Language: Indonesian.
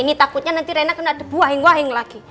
ini takutnya nanti rena kena buah hengwahing lagi